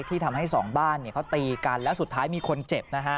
ที่ทำให้สองบ้านเขาตีกันแล้วสุดท้ายมีคนเจ็บนะฮะ